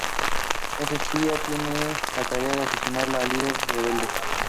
El espía tiene la tarea de asesinar al líder rebelde.